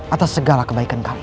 atas segala kebaikan kalian